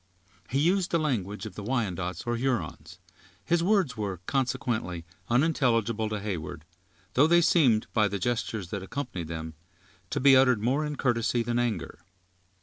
He used the language of the Wyandots, or Hurons; his words were, consequently, unintelligible to Heyward, though they seemed, by the gestures that accompanied them, to be uttered more in courtesy than anger.